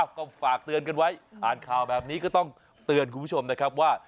ก็ฝากเตือนกันไว้อ่านข่าวแบบนี้ก็ต้องเตือนคุณผู้ชมนะครับว่า